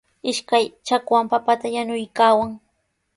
Ishkay chakwan papata yanuykaayan.